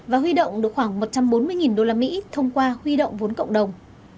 và huy động được khoảng một trăm bốn mươi usd thông qua huy động vốn cộng đồng